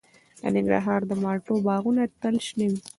د ننګرهار د مالټو باغونه تل شنه وي.